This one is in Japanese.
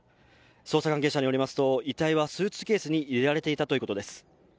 捜査関係者によりますと遺体はスーツケースに入れられていたということです。